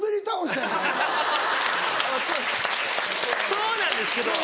そうなんですけど。